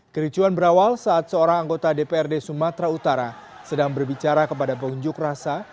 kericuan berawal saat seorang anggota dprd sumatera utara sedang berbicara kepada pengunjuk rasa